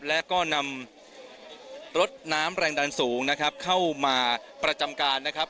และก็นำรถน้ำแรงดันสูงนะครับเข้ามาประจำการนะครับ